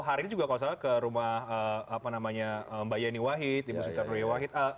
hari ini juga kalau salah ke rumah mbak yani wahid ibu suter rewahid